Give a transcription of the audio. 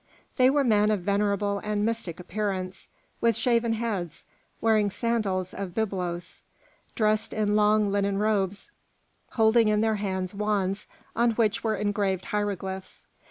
They were men of venerable and mystic appearance, with shaven heads, wearing sandals of byblos, dressed in long linen robes, holding in their hands wands on which were engraved hieroglyphs.